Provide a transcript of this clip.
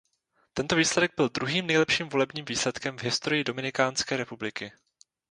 Tento výsledek byl druhým nejlepším volebním výsledkem v historii Dominikánské republiky.